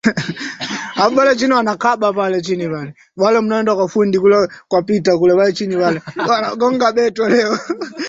Mti wa maembe.